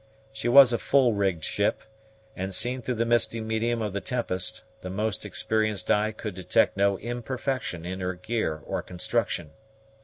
She was a full rigged ship; and, seen through the misty medium of the tempest, the most experienced eye could detect no imperfection in her gear or construction.